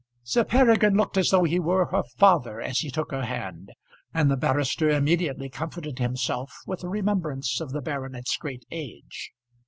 Sir Peregrine looked as though he were her father as he took her hand, and the barrister immediately comforted himself with the remembrance of the baronet's great age.